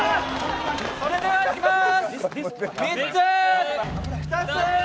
それではいきまーす！